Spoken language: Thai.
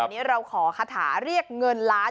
วันนี้เราขอคาถาเรียกเงินล้าน